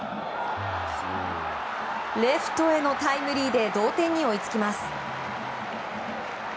レフトへのタイムリーで同点に追いつきます。